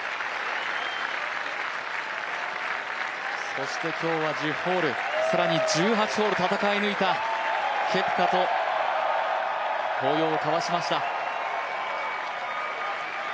そして今日は１０ホール、更に１８ホール戦い抜いたケプカと抱擁を交わしました。